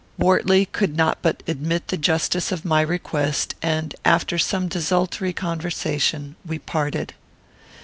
Wortley could not but admit the justice of my request, and, after some desultory conversation, we parted.